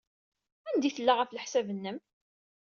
Anda ay tella, ɣef leḥsab-nnem?